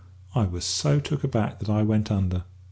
I was so took aback that I went under.